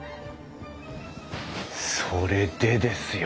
それでですよ。